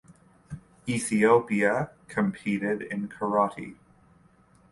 Ethiopia competed in karate.